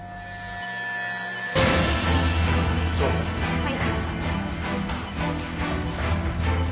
はい。